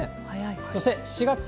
そして４月。